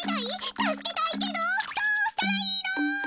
たすけたいけどどうしたらいいの？